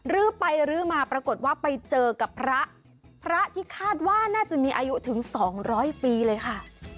ลื้อไปรื้อมาปรากฏว่าไปเจอกับพระพระที่คาดว่าน่าจะมีอายุถึง๒๐๐ปีเลยค่ะ